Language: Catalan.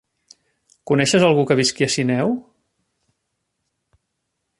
Coneixes algú que visqui a Sineu?